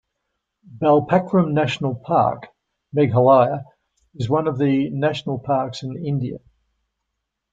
Balpakram National Park, Meghalaya is one of the national parks in India.